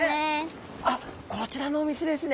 あっこちらのお店ですね。